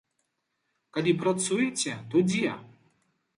Калі працуеце, то дзе?